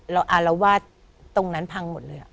เราว่าตรงนั้นพังหมดเลย